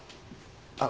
あっ。